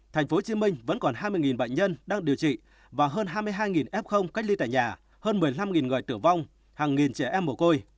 tp hcm vẫn còn hai mươi bệnh nhân đang điều trị và hơn hai mươi hai f cách ly tại nhà hơn một mươi năm người tử vong hàng nghìn trẻ em mồ côi